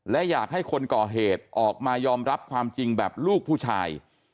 และอยากให้คนก่อเหตุออกมายอมรับความจริงแบบลูกผู้ชาย